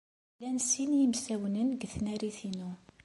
Llan sin n yimsawnen deg tnarit-inu.